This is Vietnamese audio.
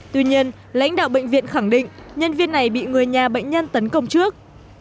tuy nhiên lãnh đạo bệnh viện khẳng định nhân viên này bị người nhà bệnh nhân tấn công trước